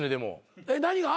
えっ何が？